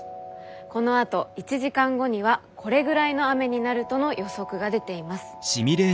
このあと１時間後にはこれぐらいの雨になるとの予測が出ています。